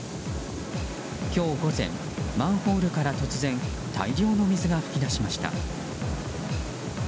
今日午前、マンホールから突然大量の水が噴き出しました。